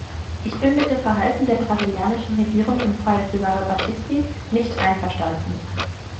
Ich bin mit dem Verhalten der brasilianischen Regierung im Fall Cesare Battisti nicht einverstanden.